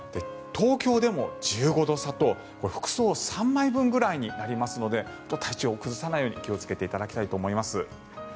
東京でも１５度差と服装３枚分ぐらいになりますので体調を崩さないように気をつけていただきたいと思います。